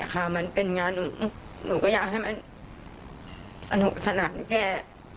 มันเป็นงานหนูก็อยากให้มันสนุกสนานแค่